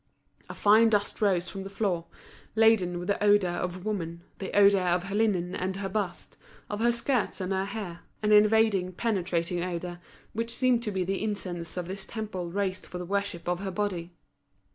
A fine dust rose from the floor, laden with the odour of woman, the odour of her linen and her bust, of her skirts and her hair, an invading, penetrating odour, which seemed to be the incense of this temple raised for the worship of her body.